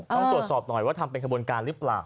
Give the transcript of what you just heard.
ต้องตรวจสอบหน่อยว่าทำเป็นขบวนการหรือเปล่า